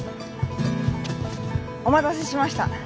お待たせしました。